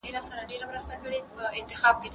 خپل ځان له فکري ستړیا وساتئ.